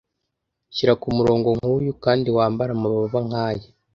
Shyira kumurongo nkuyu kandi wambare amababa nkaya